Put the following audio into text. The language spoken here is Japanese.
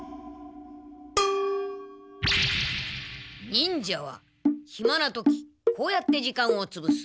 忍者はヒマな時こうやって時間をつぶす。